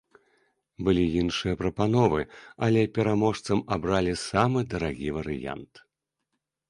Былі іншыя прапановы, але пераможцам абралі самы дарагі варыянт.